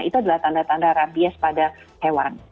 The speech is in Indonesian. itu adalah tanda tanda rabies pada hewan